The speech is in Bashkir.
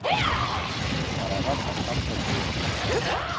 Ҡарағат ашап та туйырбыҙ.